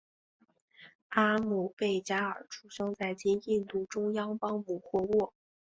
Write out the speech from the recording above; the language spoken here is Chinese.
阿姆倍伽尔出生在今印度中央邦姆霍沃。